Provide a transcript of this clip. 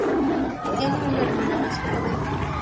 Tiene una hermana más joven.